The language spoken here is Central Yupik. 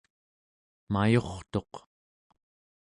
mayurtuq